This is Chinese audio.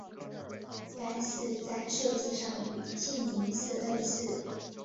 该寺在设计上与庆宁寺类似。